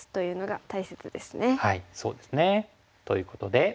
はいそうですね。ということで。